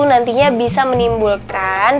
nantinya bisa menimbulkan